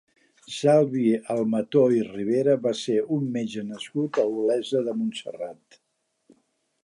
Salvi Almató i Rivera va ser un metge nascut a Olesa de Montserrat.